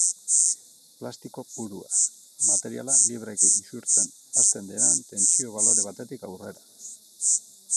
Plastiko purua: materiala libreki isurtzen hasten denean tentsio-balore batetik aurrera.